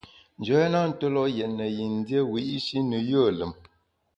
Njoya na tue lo’ yètne yin dié wiyi’shi ne yùe lùm.